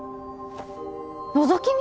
のぞき見？